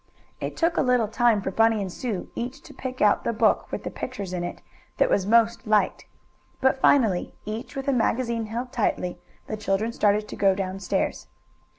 It took a little time for Bunny and Sue each to pick out the book, with the pictures in it, that was most liked. But finally, each with a magazine held tightly, the children started to go down stairs.